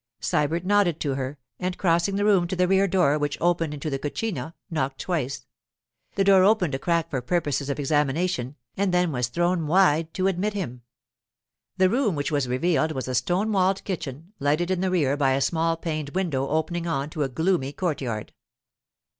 Sybert nodded to her, and crossing the room to the rear door, which opened into the cucina, knocked twice. The door opened a crack for purposes of examination, and then was thrown wide to admit him. The room which was revealed was a stone walled kitchen, lighted in the rear by a small paned window opening on to a gloomy court yard.